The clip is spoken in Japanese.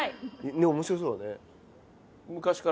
ねえ面白そうだね。